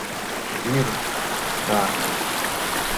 Вир — тар.